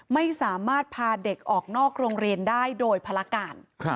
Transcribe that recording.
ไม่สามารถพาเด็กออกนอกโรงเรียนได้โดยภารการ